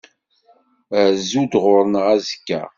Rzu-d ɣur-neɣ azekka.